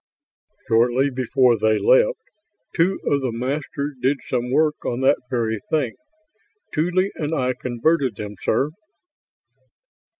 "Shortly before they left, two of the Masters did some work on that very thing. Tuly and I converted them, sir."